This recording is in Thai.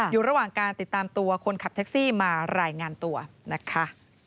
อยู่ระหว่างการติดตามตัวคนขับแท็กซี่มารายงานตัวนะคะ